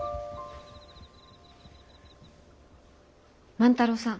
万太郎さん。